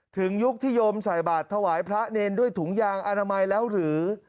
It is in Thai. ยุคที่โยมใส่บาทถวายพระเนรด้วยถุงยางอนามัยแล้วหรือ